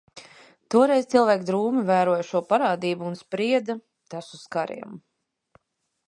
Toreiz cilvēki drūmi vēroja šo parādību un sprieda, tas uz kariem.